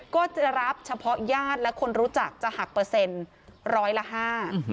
ก็จะรับเฉพาะญาติและคนรู้จักจะหักเปอร์เซ็นต์ร้อยละห้า